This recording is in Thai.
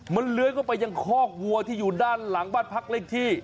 มันเลื้อยเข้าไปยังคอกวัวที่อยู่ด้านหลังบ้านพักเลขที่